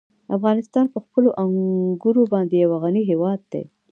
افغانستان په خپلو انګورو باندې یو غني هېواد دی.